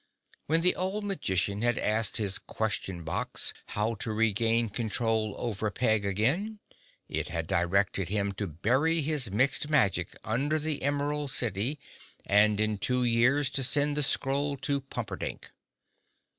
When the old magician had asked his Question Box how to regain control over Peg again it had directed him to bury his Mixed Magic under the Emerald City and in two years to send the scroll to Pumperdink.